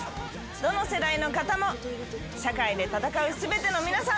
どの世代の方も社会で戦う全ての皆さん！